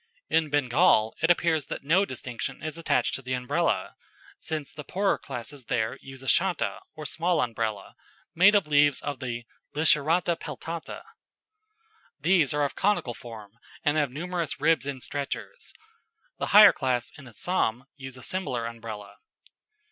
In Bengal it appears that no distinction is attached to the Umbrella, since the poorer classes there use a cháta or small Umbrella, made of leaves of the Licerata peltata. These are of conical form and have numerous ribs and stretchers. The higher class in Assam use a similar Umbrella.